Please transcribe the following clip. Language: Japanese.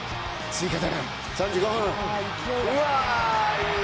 追加点、３５分。